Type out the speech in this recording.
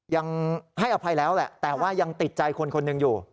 ยังให้อภัยแล้วแหละแต่ว่ายังติดใจคนคนหนึ่งอยู่